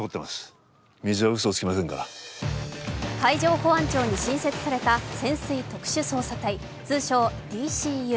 海上保安庁に新設された潜水特殊捜査隊、通称・ＤＣＵ。